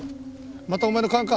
またお前の勘か？